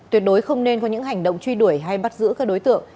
tuyệt đối không nên có những hành động truy đuổi hay bắt giữ các đối tượng